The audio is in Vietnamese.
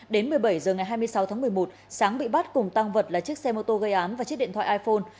đến một mươi bảy h ngày hai mươi sáu tháng một mươi một sáng bị bắt cùng tăng vật là chiếc xe mô tô gây án và chiếc điện thoại iphone